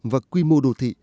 và quy mô đô thị